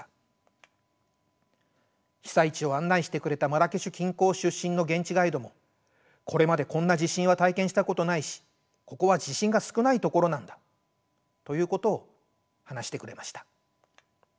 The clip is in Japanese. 被災地を案内してくれたマラケシュ近郊出身の現地ガイドも「これまでこんな地震は体験したことないしここは地震が少ない所なんだ」ということを話してくれました。